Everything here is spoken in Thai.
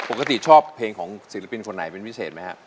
ปกติชอบเพลงของศิลปินคนไหนเป็นพิเศษไหมฮะ